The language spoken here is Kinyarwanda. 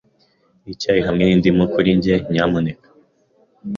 Icyayi hamwe n'indimu kuri njye, nyamuneka.